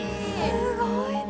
すごいね。